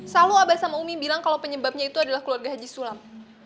selalu abah sama umi bilang kalau penyebabnya itu adalah keluarga haji sulam